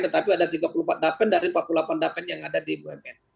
tetapi ada tiga puluh empat dapen dari empat puluh delapan dapen yang ada di bumn